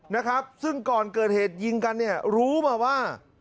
นะครับซึ่งก่อนเกิดเหตุยิงกันเนี่ยรู้มาว่า